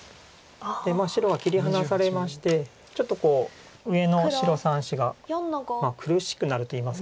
もう白は切り離されましてちょっと上の白３子が苦しくなるといいますか。